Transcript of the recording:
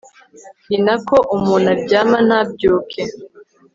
ni na ko umuntu aryama ntabyuke